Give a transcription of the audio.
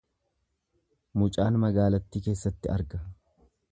Mucaan magaalattii keessatti arga.